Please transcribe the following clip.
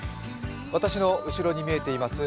私の後ろに見えています